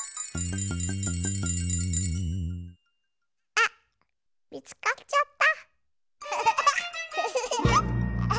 あっみつかっちゃった。